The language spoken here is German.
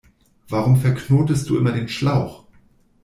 Warum verknotest du immer den Schlauch?